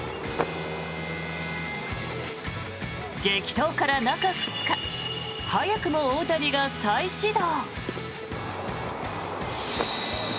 激闘から中２日早くも大谷が再始動。